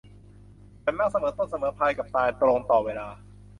ฉันมักเสมอต้นเสมอปลายกับการตรงต่อเวลา